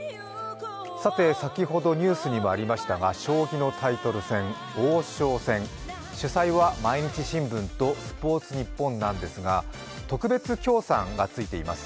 さて先ほどニュースにもありましたが、将棋のタイトル戦、王将戦、主催は毎日新聞とスポーツニッポンなんですが、特別協賛がついています。